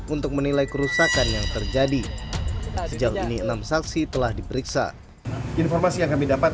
untuk menilai kerusakan yang terjadi sejauh ini enam saksi telah diperiksa informasi yang kami dapat